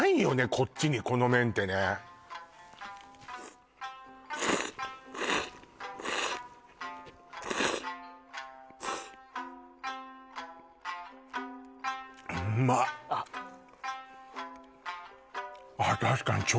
こっちにこの麺ってねあっああ